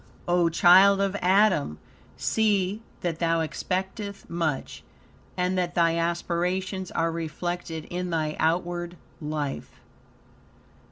O child of Adam! See that thou expecteth much, and that thy aspirations are reflected in thy outward life.